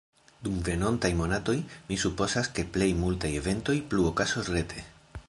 Dum venontaj monatoj, mi supozas ke plej multaj eventoj plu okazos rete.